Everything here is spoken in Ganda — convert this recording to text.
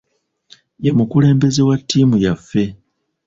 Ye mukulembeze wa ttiimu yaffe.